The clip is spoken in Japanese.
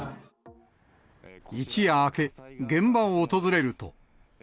一夜明け、現場を訪れると。